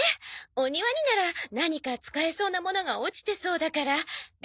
お庭になら何か使えそうなものが落ちてそうだから頑張って！